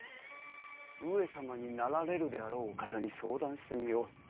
上様になられるであろうお方に相談してみよう。